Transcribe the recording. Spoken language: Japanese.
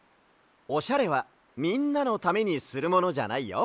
オシャレはみんなのためにするものじゃないよ。